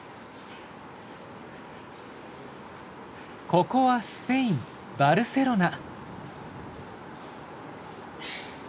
ここはスペイン・バルセロナ。